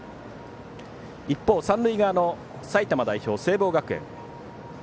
一方、三塁側の埼玉代表、聖望学園。